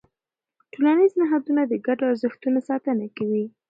ټولنیز نهادونه د ګډو ارزښتونو ساتنه کوي.